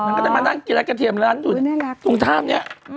มันก็จะมานั่งกินร้านกระเทียมร้านดุดตรงท่ามนี้